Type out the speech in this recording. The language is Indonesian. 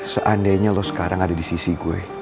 seandainya lo sekarang ada di sisi gue